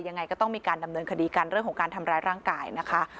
ยังไงก็ต้องมีการดำเนินคดีกันเรื่องของการทำร้ายร่างกายนะคะ